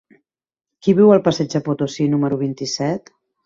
Qui viu al passeig de Potosí número vint-i-set?